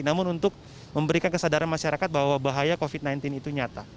namun untuk memberikan kesadaran masyarakat bahwa bahaya covid sembilan belas itu nyata